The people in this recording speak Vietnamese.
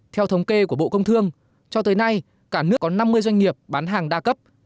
theo thống kê của bộ công thương cho tới nay cả nước có năm mươi doanh nghiệp bán hàng đa cấp